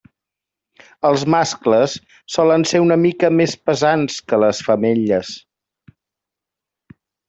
Els mascles solen ser una mica més pesants que les femelles.